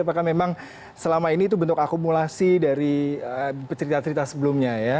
apakah memang selama ini itu bentuk akumulasi dari cerita cerita sebelumnya ya